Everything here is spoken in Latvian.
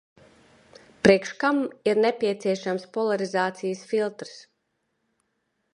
Priekš kam ir nepieciešams polarizācijas filtrs?